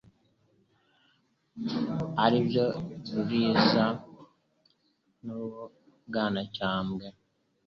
aribyo Buliza n' u Bwanacyambwe.